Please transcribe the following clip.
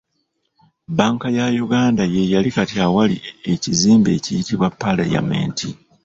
Banka ya Uganda yeeyali kati awali ekizimbe ekiyitibwa Parliament.